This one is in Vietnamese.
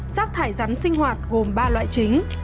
chất thải rắn sinh hoạt gồm ba loại chính